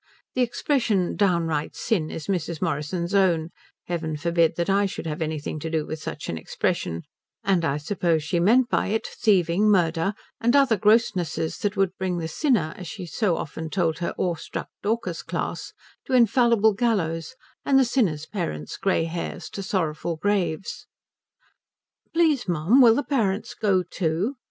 The expression downright sin is Mrs. Morrison's own, heaven forbid that I should have anything to do with such an expression and I suppose she meant by it thieving, murder, and other grossnesses that would bring the sinner, as she often told her awe struck Dorcas class, to infallible gallows, and the sinner's parents' grey hairs to sorrowful graves. "Please mum, will the parents go too?"